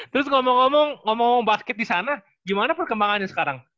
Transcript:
terus ngomong ngomong basket disana gimana perkembangannya sekarang